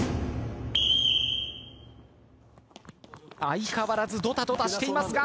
相変わらずどたどたしていますが。